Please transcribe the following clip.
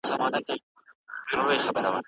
پرمختیا تل په ټولو ځایونو کي یوشان نه وي.